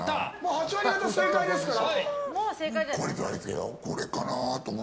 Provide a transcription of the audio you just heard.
８割方正解ですから。